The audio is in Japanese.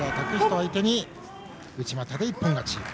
相手に内股で一本勝ち。